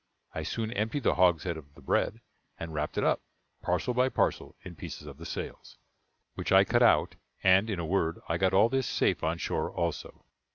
I soon emptied the hogshead of the bread, and wrapped it up, parcel by parcel, in pieces of the sails, which I cut out; and, in a word, I got all this safe on shore also.